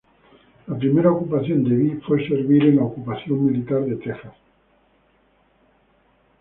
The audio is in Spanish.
La primera ocupación de Bee fue a servir en la ocupación militar de Texas.